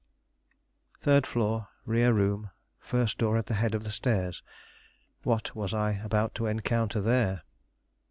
Third floor, rear room, first door at the head of the stairs! What was I about to encounter there?